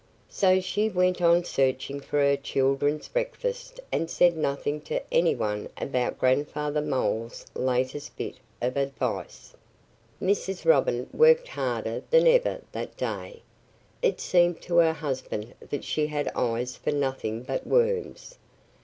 So she went on searching for her children's breakfast and said nothing to any one about Grandfather Mole's latest bit of advice. Mrs. Robin worked harder than ever that day. It seemed to her husband that she had eyes for nothing but worms.